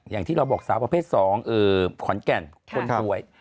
อย่างที่เราบอกสาวประเภท๒ขอนแก่นคนสวย